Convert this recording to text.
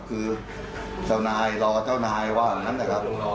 คือเจ้านายรอเจ้านายว่างนะครับ